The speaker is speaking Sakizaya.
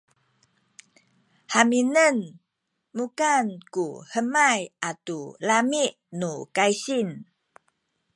haminen mukan ku hemay atu lami’ nu kaysing